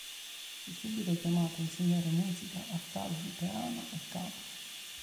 Fu subito chiamato a insegnare musica a Calvi, Teano e Capua.